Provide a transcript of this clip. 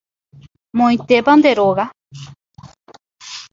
Moõitépa nde róga.